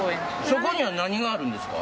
そこには何があるんですか？